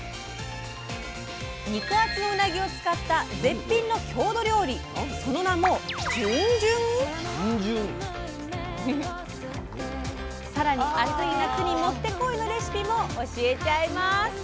肉厚のうなぎを使った絶品の郷土料理その名もじゅんじゅん⁉更に暑い夏にもってこいのレシピも教えちゃいます。